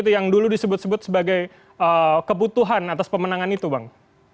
yang dulu disebut sebut sebagai kebutuhan atas pemenangan itu bang